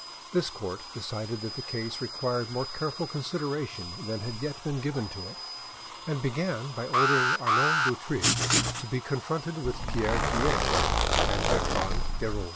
This court decided that the case required more careful consideration than had yet been given to it, and began by ordering Arnauld du Thill to be confronted with Pierre Guerre and Bertrande de Rolls.